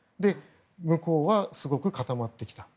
向こうはすごく固まってきた。